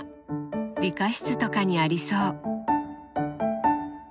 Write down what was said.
理科室とかにありそう。